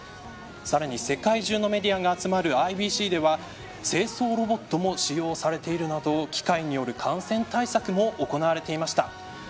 さらに、世界中のメディアが集まるＩＢＣでは清掃ロボットも使用されているなど機械による感染対策も行われていました。